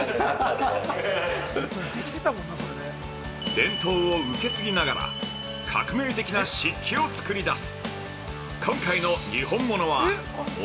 ◆伝統を受け継ぎながら革命的な漆器を作り出す。